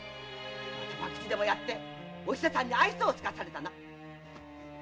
また博打でもやっておひささんに愛想を尽かされたな？